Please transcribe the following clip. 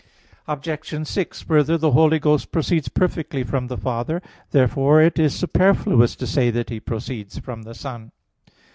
Obj. 6: Further, the Holy Ghost proceeds perfectly from the Father. Therefore it is superfluous to say that He proceeds from the Son.